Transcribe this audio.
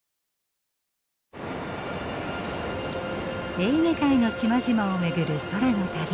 エーゲ海の島々を巡る空の旅。